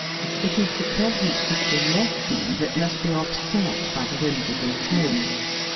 It is the presence of the lesson that must be offset by the whim sical tone.